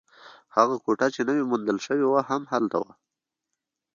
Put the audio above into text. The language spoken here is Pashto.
هغه کوټه چې نوې موندل شوې وه، هم هلته وه.